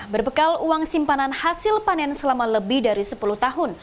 berbekal uang simpanan hasil panen selama lebih dari sepuluh tahun